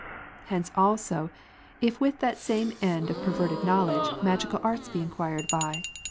Hence also, if with that same end of perverted knowledge magical ai*ts be enquired by.